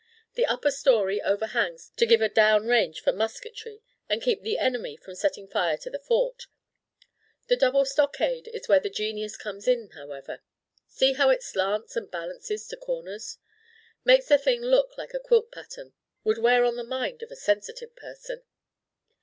The upper story overhangs to give a down range for musketry and keep the enemy from setting fire to the Fort. The double stockade is where the genius comes in, however. See how it slants and balances to corners. Makes the thing look like a quilt pattern. Would wear on the mind of a sensitive person.